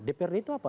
dprd itu apa